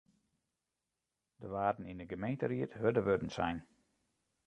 Der waarden yn de gemeenteried hurde wurden sein.